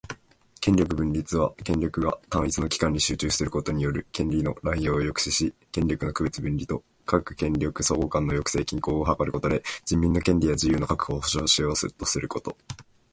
権力分立は、権力が単一の機関に集中することによる権利の濫用を抑止し、権力の区別・分離と各権力相互間の抑制・均衡を図ることで、人民の権利や自由の確保を保障しようとすること